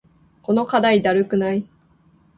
この課題だるくない？